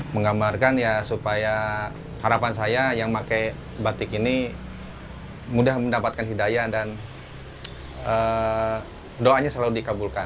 menggambarkan ya supaya harapan saya yang pakai batik ini mudah mendapatkan hidayah dan doanya selalu dikabulkan